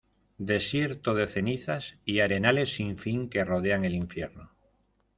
desiertos de cenizas y arenales sin fin que rodean el Infierno.